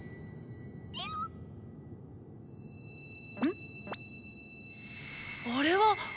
ん⁉あれは！